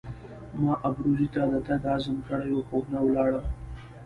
ما ابروزي ته د تګ عزم کړی وو خو نه ولاړم.